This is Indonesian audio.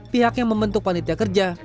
pihak yang membentuk panitia kerja